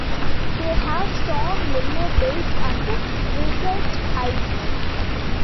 They have strong yellow bills and russet eyes.